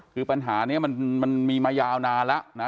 คือปัญหานี้มันมีมายาวนานแล้วนะ